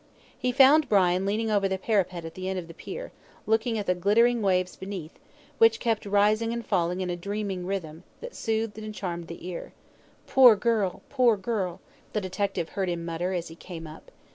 He found Brian leaning over the parapet at the end of the pier, looking at the glittering waters beneath, which kept rising and falling in a dreamy rhythm, that soothed and charmed the ear. "Poor girl! poor girl!" the detective heard him mutter as he came up.